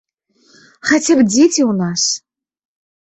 Хаця б дзеці ў нас!